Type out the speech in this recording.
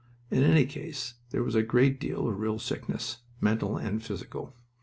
In any case there was a great deal of real sickness, mental and physical.